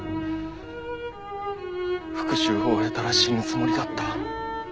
復讐を終えたら死ぬつもりだった。